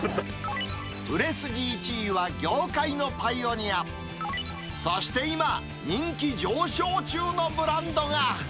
売れ筋１位は業界のパイオニア、そして今、人気上昇中のブランドが。